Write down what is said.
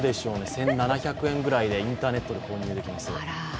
１７００円ぐらいでインターネットで購入できます。